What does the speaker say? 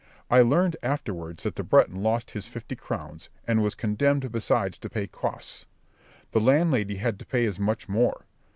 I learned afterwards that the Breton lost his fifty crowns, and was condemned besides to pay costs; the landlady had to pay as much more.